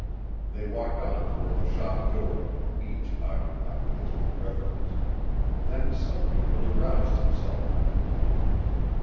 They walked on toward the shop door, each occupied with his own reveries; then suddenly Willie roused himself.